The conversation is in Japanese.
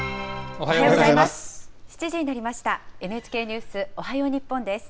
おはようございます。